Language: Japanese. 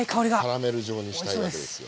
キャラメル状にしたいわけですよ。